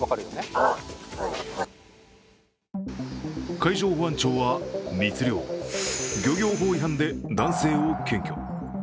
海上保安庁は密漁、漁業法違反で男性を検挙。